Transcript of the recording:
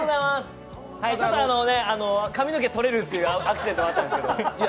ちょっと髪の毛取れるっていうアクシデントがあったんですけど。